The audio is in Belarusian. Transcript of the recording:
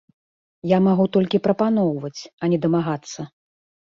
Я магу толькі прапаноўваць, а не дамагацца.